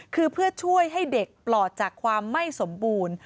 คือเพื่อช่วยให้เด็กปลอดจากความไม่สมบูรณ์